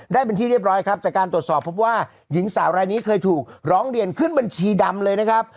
ได้เป็นที่เรียบร้อยครับจากการตรวจสอบพบว่าหญิงสาวรายนี้เคยถูกร้องเรียนขึ้นบัญชีดำเลยนะครับ